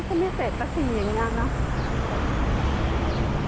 ก็ไม่เสร็จปกติอย่างนี้นะ